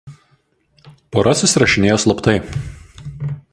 Pora susirašinėjo slaptai.